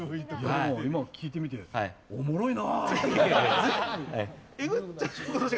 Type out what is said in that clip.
今聞いてみておもろいな。